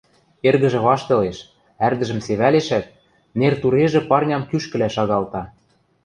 Эргӹжӹ ваштылеш, ӓрдӹжӹм севӓлешӓт, нер турежӹ парням кӱшкӹлӓ шагалта: